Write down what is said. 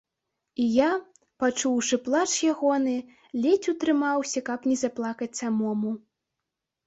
І я, пачуўшы плач ягоны, ледзь утрымаўся, каб не заплакаць самому.